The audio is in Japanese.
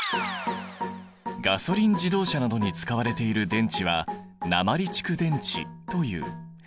ガソリン自動車などに使われている電池は鉛蓄電池という。